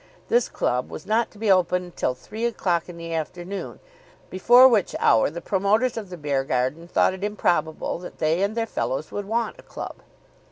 This club was not to be opened till three o'clock in the afternoon, before which hour the promoters of the Beargarden thought it improbable that they and their fellows would want a club.